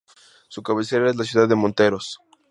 Su cabecera es la ciudad de Monteros.